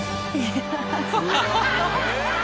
アハハハ！